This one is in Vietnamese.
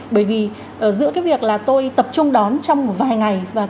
bởi vì giữa cái việc là tôi tập trung đón trong một vài ngày